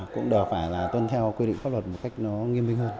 cũng đều phải là tuân theo quy định pháp luật một cách nó nghiêm minh hơn